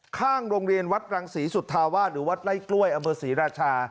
ข้างโรงเรียนวัดรังศรีสุธาวาสหรือวัดไล่กล้วยอำเภอศรีราชา